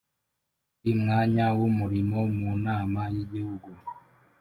buri mwanya w umurimo mu Nama y Igihugu